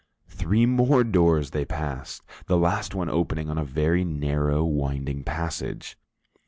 Three more doors they passed, the last one opening on a very narrow, winding passage.